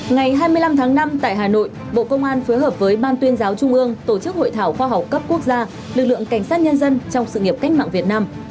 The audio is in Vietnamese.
ngày hai mươi năm tháng năm tại hà nội bộ công an phối hợp với ban tuyên giáo trung ương tổ chức hội thảo khoa học cấp quốc gia lực lượng cảnh sát nhân dân trong sự nghiệp cách mạng việt nam